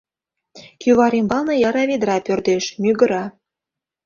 Кӱвар ӱмбалне яра ведра пӧрдеш, мӱгыра.